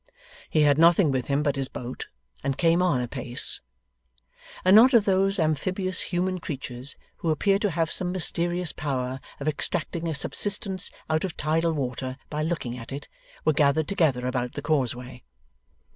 He had nothing with him but his boat, and came on apace. A knot of those amphibious human creatures who appear to have some mysterious power of extracting a subsistence out of tidal water by looking at it, were gathered together about the causeway.